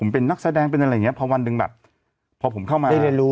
เพราะว่าฝีนักแสดงเป็นแบบนี้